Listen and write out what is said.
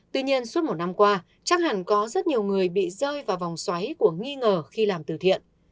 tuy nhiên suốt một năm qua chắc hẳn có rất nhiều người bị rơi vào vòng xoáy của nghi ngờ khi làm từ thiện